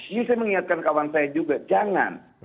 saya mengingatkan kawan saya juga jangan